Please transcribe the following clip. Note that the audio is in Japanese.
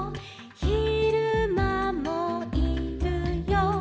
「ひるまもいるよ」